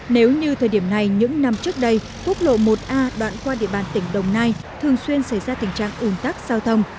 nếu như thời điểm này những năm trước đây quốc lộ một a đoạn qua địa bàn tỉnh đồng nai thường xuyên xảy ra tình trạng ủn tắc giao thông